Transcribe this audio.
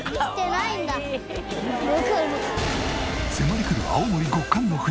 迫り来る青森極寒の冬。